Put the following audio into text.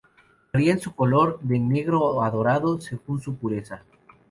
Varía en su color, de negro a dorado, según su pureza.